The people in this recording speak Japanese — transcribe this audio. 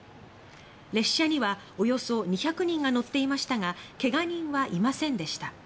列車にはおよそ２００人が乗っていましたがけが人はいませんでした。